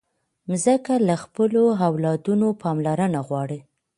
مځکه له خپلو اولادونو پاملرنه غواړي.